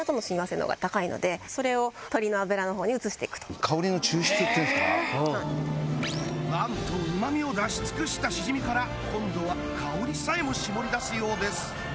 それを鶏の油のほうに移していくと香りの抽出っていうんですかなんとうま味を出し尽くしたしじみから今度は香りさえも絞り出すようです